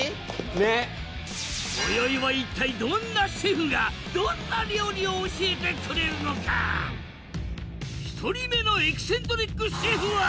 ねっ今宵は一体どんなシェフがどんな料理を教えてくれるのか１人目のエキセントリックシェフは